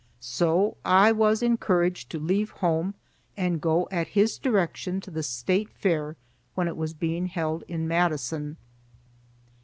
So I was encouraged to leave home and go at his direction to the State Fair when it was being held in Madison.